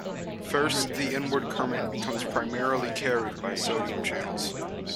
First, the inward current becomes primarily carried by sodium channels.